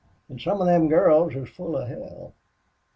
An' some of them girls is full of hell.